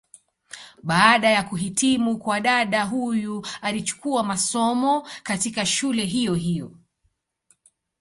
Baada ya kuhitimu kwa dada huyu alichukua masomo, katika shule hiyo hiyo.